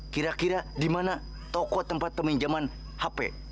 kira kira di mana toko tempat peminjaman hp